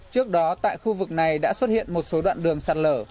trước đó tại khu vực này đã xuất hiện một số đoạn đường sạt lở